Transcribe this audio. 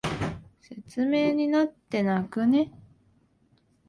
説明になってなくね？